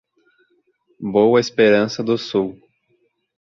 Boa Esperança do Sul